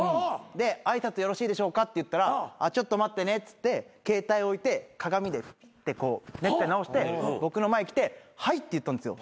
で「挨拶よろしいでしょうか」って言ったら「ちょっと待ってね」っつって携帯置いて鏡でピッてネクタイ直して僕の前来て「はい」って言ったんですよ。